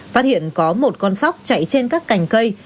phát hiện có một con sóc chạy trên các cành cây